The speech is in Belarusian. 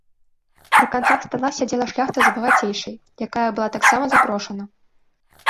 Пры канцах стала сядзела шляхта з багацейшай, якая была таксама запрошана.